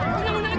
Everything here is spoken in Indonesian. bunyam bunyam itu